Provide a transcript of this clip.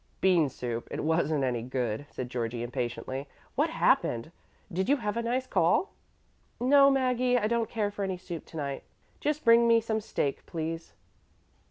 "Bean soup; it wasn't any good," said Georgie, impatiently. "What happened? Did you have a nice call?" "No, Maggie, I don't care for any soup to night. Just bring me some steak, please."